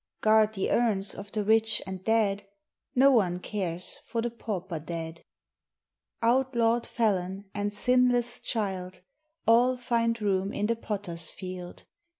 Guard the urns of the rich and great No one cares for the pauper dead! Outlawed felon and sinless child All find room in the Potter's Field.